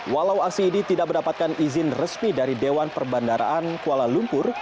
walau aksi ini tidak mendapatkan izin resmi dari dewan perbandaraan kuala lumpur